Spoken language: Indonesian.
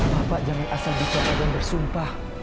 bapak jangan asal bicara dan bersumpah